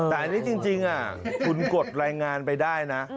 แต่อันนี้จริงคุณกดรายงานไปได้นะ